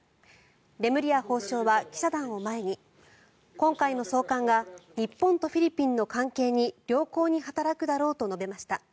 レムリヤ法相は記者団を前に今回の送還が日本とフィリピンの関係に良好に働くだろうと述べました。